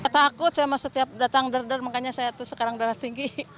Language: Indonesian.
takut sama setiap datang derder makanya saya tuh sekarang darah tinggi